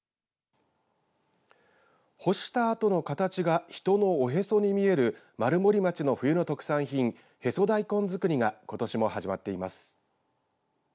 干したあとの形が人のおへそに似て見える丸森町の冬の特産品へそ大根づくりがことしも始まっています。